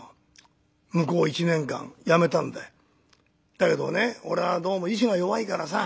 だけどね俺はどうも意志が弱いからさ